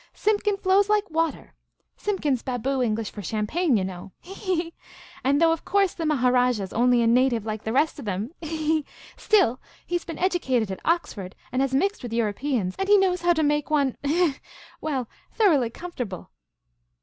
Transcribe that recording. Simpkin flows like water— Simpkin 's baboo English for champagne, you know— he, he, he ; and though of course the Maharajah 's only a native like the rest of them— he, he, he — still, he 's been educated at Oxford, and has mixed with Europeans, and he knows how to make one — he, he, he — well, thoroughly comfortable."